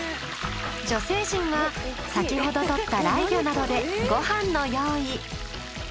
女性陣は先ほど取ったライギョなどでご飯の用意。